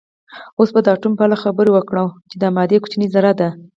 اوس به د اتوم په اړه خبرې وکړو چې د مادې کوچنۍ ذره ده